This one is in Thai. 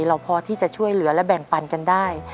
เราพอที่จะช่วยเหลือและแบ่งปันกันได้